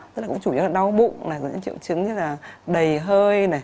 rất là cũng chủ yếu là đau bụng triệu chứng như là đầy hơi